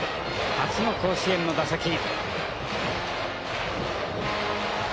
初の甲子園の打席。